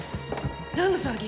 何の騒ぎ？